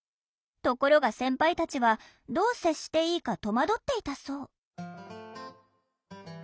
ところが先輩たちはどう接していいか戸惑っていたそう。